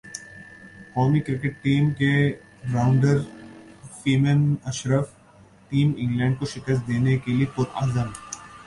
قومی cricket team کے rounder فیمم اشرف ٹیم انگلینڈ کو شکست دینے کے لیئے پر عزم